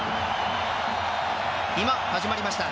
今、始まりました。